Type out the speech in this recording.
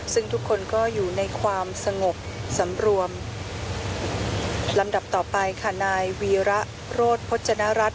ซึ่งทุกคนก็อยู่ในความสงบสำรวมลำดับต่อไปค่ะนายวีระโรธพจนรัฐ